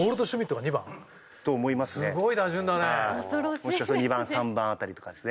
もしかすると２番３番辺りとかですね。